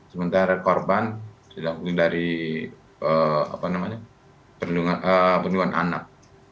sementara korban didamping dari perundungan anak